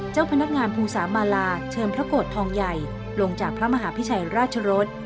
เจ้าพนักงานภูสามาลาเชิญพระโกรธทองใหญ่ลงจากพระมหาพิชัยราชรส